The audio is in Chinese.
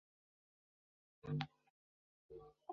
因此建立对照用实验组并进行对照检验极其重要。